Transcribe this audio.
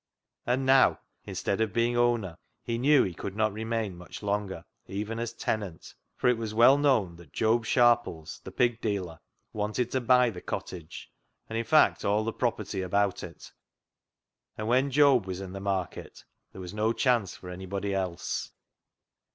And now, instead of being owner, he knew he could not remain much longer even as tenant, for it was well known that Job Sharpies, the pig dealer, wanted to buy the cottage, and in fact FOR BETTER, FOR WORSE 189 all the property about it ; and when Job was in the market there was no chance for anybody else.